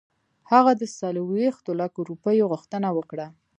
هغه د څلوېښتو لکو روپیو غوښتنه وکړه.